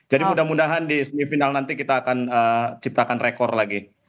jadi mudah mudahan di semifinal nanti kita akan ciptakan rekor lagi